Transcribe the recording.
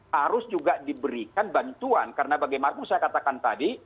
harus juga diberikan bantuan karena bagi margo saya katakan tadi